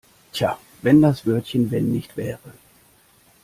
Tja, wenn das Wörtchen wenn nicht wäre!